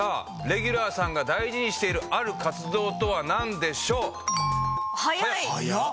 レギュラーさんが大事にしているある活動とは？